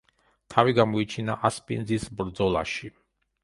თავი გამოიჩინა ასპინძის ბრძოლაში.